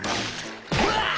うわっ！